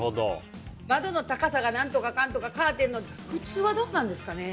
窓の高さが何とかかんとかカーテンの普通はどうなんですかね？